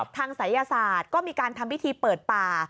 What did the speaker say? ศัยศาสตร์ก็มีการทำพิธีเปิดป่า